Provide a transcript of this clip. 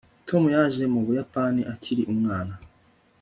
tom yaje mu buyapani akiri umwana